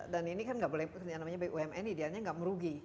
dan ini kan tidak boleh namanya bumn idealnya tidak merugi